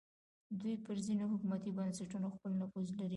دوی پر ځینو حکومتي بنسټونو خپل نفوذ لري